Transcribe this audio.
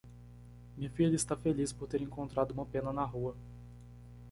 Minha filha está feliz por ter encontrado uma pena na rua.